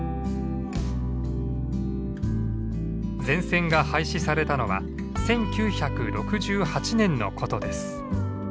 全線が廃止されたのは１９６８年のことです。